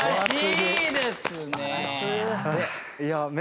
いいですね！